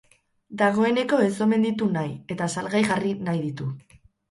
Dagoeneko ez omen ditu nahi, eta salgai jarri nahi ditu.